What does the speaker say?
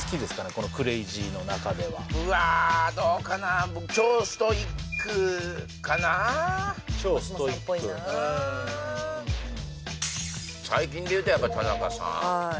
このクレイジーの中ではうわどうかな超ストイックかな超ストイック松本さんっぽいな最近でいうとやっぱ田中さん